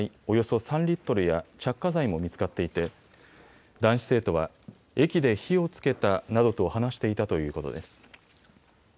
およそ３リットルや着火剤も見つかっていて男子生徒は駅で火をつけたなどと話していたということです。